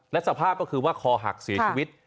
และสภาพก็คือว่าคอหักเสียชีวิต